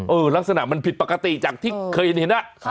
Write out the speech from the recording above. ลักษณะมันผิดปกติจากที่เคยเห็น